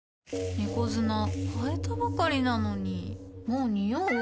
猫砂替えたばかりなのにもうニオう？